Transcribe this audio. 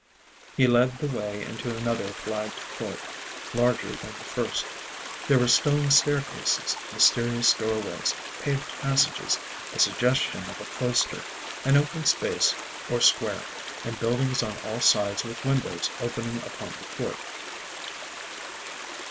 He led the way into another flagged court, larger than the first. There were stone staircases, mysterious doorways, paved passages, a suggestion of a cloister, an open space or square, and buildings on all sides with windows opening upon the court.